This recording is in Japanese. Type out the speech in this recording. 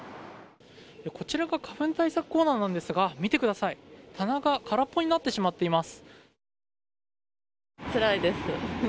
こちらが花粉対策コーナーなんですが見てください、棚が空っぽになってしまっています。